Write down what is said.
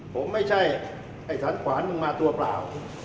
ผมไม่ใช่ไอ้สันขวานมึงมาตัวเปล่า